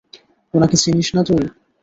ওনাকে চিনিস না তুই।